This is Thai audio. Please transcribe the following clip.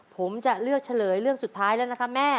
ผมจะเลือกเฉลยเรื่องสุดท้ายแล้วนะคะแม่